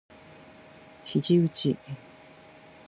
肘うち